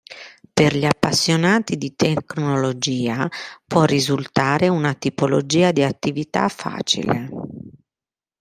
Per gli appassionati di tecnologia può risultare una tipologia di attività facile.